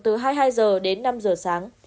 từ hai mươi hai giờ đến năm giờ sáng